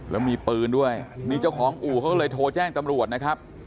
แล้วมีปืนด้วยนี่เจ้าของอู่เขาก็เลยโทรแจ้งตำรวจนะครับ